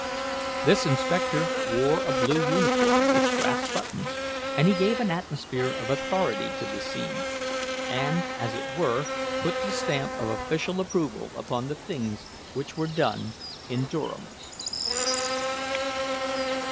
This inspector wore a blue uniform, with brass buttons, and he gave an atmosphere of authority to the scene, and, as it were, put the stamp of official approval upon the things which were done in Durham's.